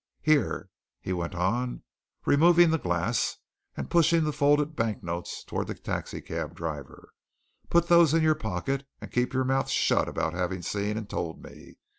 Here!" he went on, removing the glass and pushing the folded banknotes towards the taxi cab driver, "put those in your pocket. And keep your mouth shut about having seen and told me.